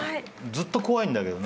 ずっと怖いんだけど。